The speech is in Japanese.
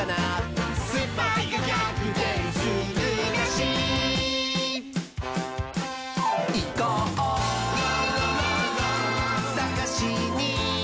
「スパイがぎゃくてんするらしい」「いこうさがしに！」